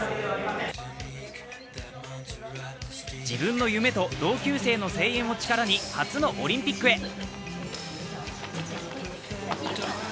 自分の夢と同級生の声援を力に初のオリンピックへ。